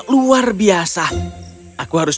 luar biasa aku harus